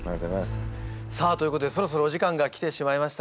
さあということでそろそろお時間が来てしまいました。